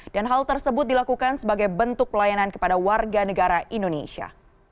dan hal tersebut dilakukan sebagai bentuk pelayanan kepada warga negara indonesia